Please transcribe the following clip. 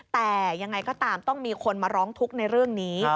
แต่ยังไงก็ตามต้องมีคนมาร้องทุกข์ในเรื่องนี้